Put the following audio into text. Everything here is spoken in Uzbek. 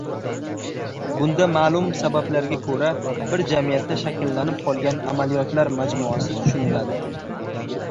Bunda maʼlum sabablarga koʻra, bir jamiyatda shakllanib qolgan amaliyotlar majmuasi tushuniladi.